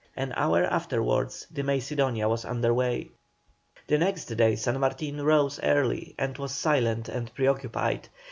An hour afterwards the Macedonia was under way. The next day San Martin rose early and was silent and pre occupied.